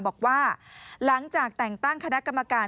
บอกว่าหลังจากแต่งตั้งคณะกรรมการ